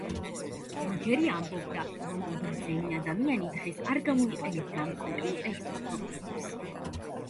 როჯერი ამბობდა, რომ „ბრძენი ადამიანი დღეს არ გამოიყენებდა ამ კომპიუტერს და პროგრამებს“.